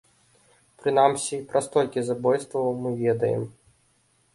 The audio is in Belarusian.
Прынамсі, пра столькі забойстваў мы ведаем.